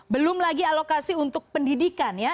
belum lagi alokasi untuk pendidikan ya